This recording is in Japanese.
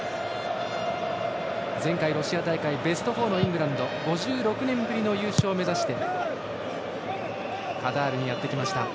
前回ロシア大会ベスト４のイングランド５６年ぶりの優勝を目指してカタールにやってきました。